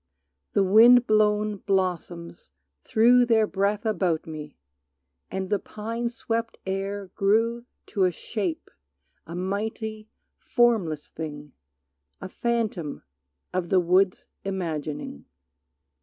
The wind blown blossoms threw Their breath about me, and the pine swept air Grew to a shape, a mighty, formless thing, A phantom of the wood's imagining.